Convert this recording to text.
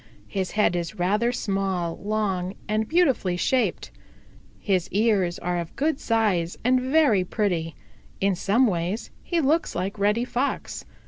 His head is rather small, long and beautifully shaped. His ears are of good size and very pretty. In some ways he looks like Reddy Fox.